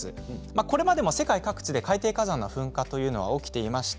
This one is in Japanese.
これまでも世界各地で海底火山の噴火は起きていまして